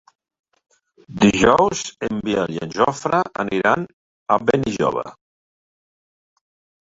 Dilluns en Biel i en Jofre aniran a Benilloba.